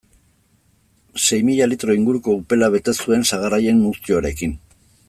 Sei mila litro inguruko upela bete zuen sagar haien muztioarekin.